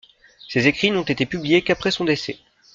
Ses écrits n'ont été publiés qu'après son décès.